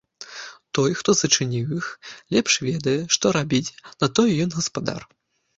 Той, хто зачыніў іх, лепш ведае, што рабіць, на тое ён гаспадар.